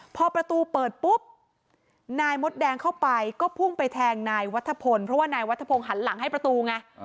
พอประตูเปิดปุ๊บนายมดแดงเข้าไปก็พุ่งไปแทงนายวัฒพลเพราะว่านายวัฒพงศ์หันหลังให้ประตูไง